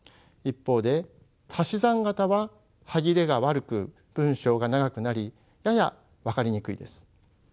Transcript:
一方で足し算型は歯切れが悪く文章が長くなりやや分かりにくいです。